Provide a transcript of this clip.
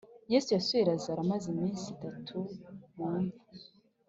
yesu yasuye lazaro amaze iminsi itatu mu imva